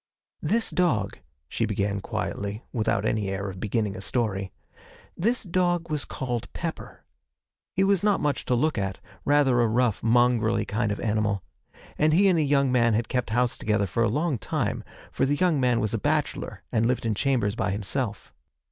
'This dog,' she began quietly, without any air of beginning a story, 'this dog was called Pepper. He was not much to look at rather a rough, mongrelly kind of animal; and he and a young man had kept house together for a long time, for the young man was a bachelor and lived in chambers by himself.